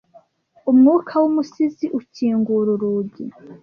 umwuka wumusizi ukingura urugi